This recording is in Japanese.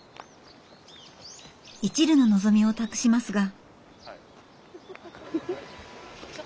一縷の望みを託しますが。